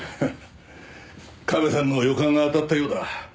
カメさんの予感が当たったようだ。